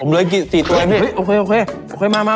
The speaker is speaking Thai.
ผมเลยกิน๔ตัวโอเคมามา